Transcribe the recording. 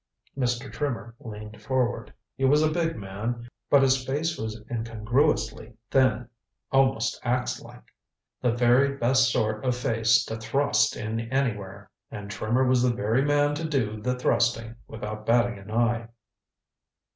Mr. Trimmer leaned forward. He was a big man, but his face was incongruously thin almost ax like. The very best sort of face to thrust in anywhere and Trimmer was the very man to do the thrusting without batting an eye.